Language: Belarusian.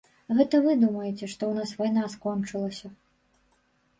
Гэта вы думаеце, што ў нас вайна скончылася.